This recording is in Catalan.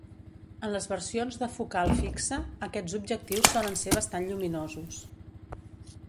En les versions de focal fixa, aquests objectius solen ser bastant lluminosos.